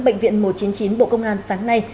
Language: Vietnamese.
bệnh viện một trăm chín mươi chín bộ công an sáng nay